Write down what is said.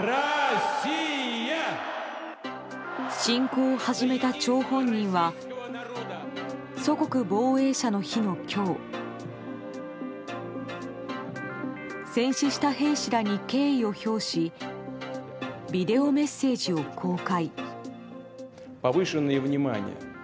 侵攻を始めた張本人は祖国防衛者の日の今日戦死した兵士らに敬意を表しビデオメッセージを公開。